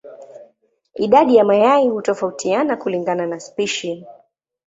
Idadi ya mayai hutofautiana kulingana na spishi.